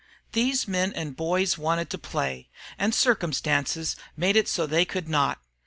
These men and boys wanted to play, and circumstances had made it so they could not.